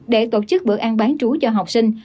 để tổ chức bữa ăn bán trú cho học sinh